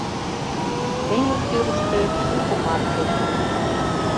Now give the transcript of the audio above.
Теҥыз тӱрыштӧ шуко марке